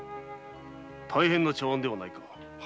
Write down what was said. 大変な茶碗ではないか。